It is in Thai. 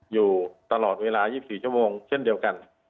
อยู่ตลอดเวลา๒๔ชั่วโมงเช่นเดียวกัน